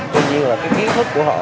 tuy nhiên là cái kỹ thuật của họ